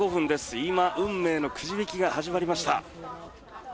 今、運命のくじ引きが始まりました。